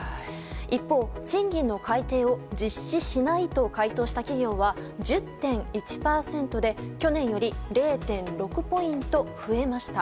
一方、賃金の改定を実施しないと回答した企業は１０．１％で、去年より０．６ポイント増えました。